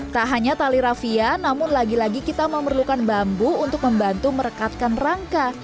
tak hanya tali rafia namun lagi lagi kita memerlukan bambu untuk membantu merekatkan rangka